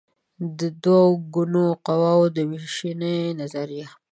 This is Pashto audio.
د دوه ګونو قواوو د وېشنې نظریه